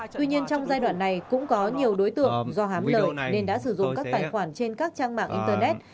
tuy nhiên trong giai đoạn này cũng có nhiều đối tượng do hám lợi nên đã sử dụng các tài khoản trên các trang mạng internet